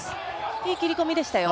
いい切り込みでしたよ。